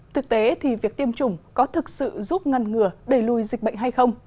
thực tế thì việc tiêm chủng có thực sự giúp ngăn ngừa đẩy lùi dịch bệnh hay không